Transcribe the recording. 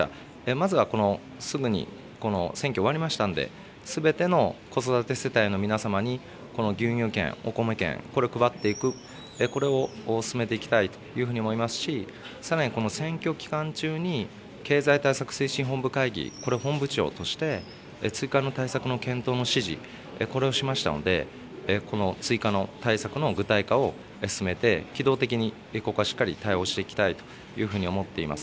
まずは、この、すぐに、この選挙終わりましたので、すべての子育て世帯の皆様に、この牛乳券、お米券、これを配っていく、これを進めていきたいと思うふうに思いますし、さらにこの選挙期間中に経済対策推進本部会議、これ、本部長として追加の対策の検討の指示、これをしましたので、この追加の対策の具体化を進めて、機動的に、ここはしっかり対応していきたいというふうに思っています。